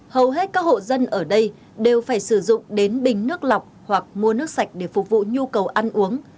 hầu hết các hộ dân ở đây đều phải sử dụng đến bình nước lọc hoặc mua nước sạch để phục vụ nhu cầu ăn uống